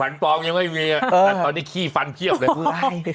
ปลอมยังไม่มีแต่ตอนนี้ขี้ฟันเพียบเลย